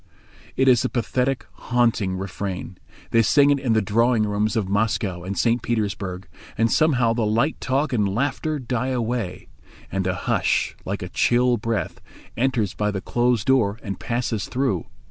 It is a pathetic, haunting refrain. They sing it in the drawing rooms of Moscow and St. Petersburg, and somehow the light talk and laughter die away, and a hush, like a chill breath, enters by the closed door and passes through.